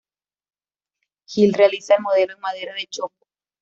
Gil realiza el modelo en madera de chopo.